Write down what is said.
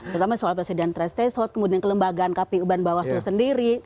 terutama soal presiden treset kemudian kelembagaan kpu ban bawah sendiri